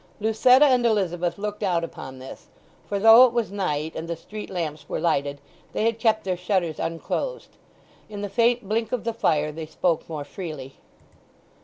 Lucetta and Elizabeth looked out upon this, for though it was night and the street lamps were lighted, they had kept their shutters unclosed. In the faint blink of the fire they spoke more freely.